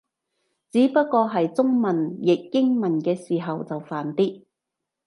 只不過係中文譯英文嘅時候就煩啲